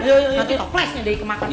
nanti toplesnya jadi kemakan